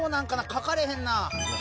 書かれへんな。